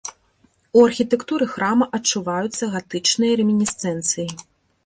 У архітэктуры храма адчуваюцца гатычныя рэмінісцэнцыі.